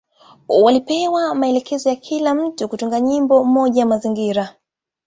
Walipewa maelekezo ya kila mtu kutunga nyimbo moja ya mazingira.